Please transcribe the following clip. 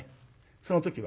その時は。